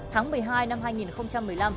tháng một mươi hai năm hai nghìn một mươi năm